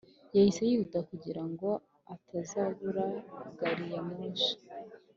yahise yihuta kugira ngo atazabura gari ya moshi.